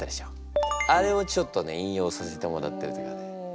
あれをちょっとね引用させてもらったりとかね。